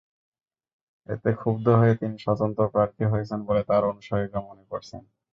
এতে ক্ষুব্ধ হয়ে তিনি স্বতন্ত্র প্রার্থী হয়েছেন বলে তাঁর অনুসারীরা মনে করছেন।